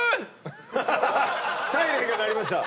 サイレンが鳴りました。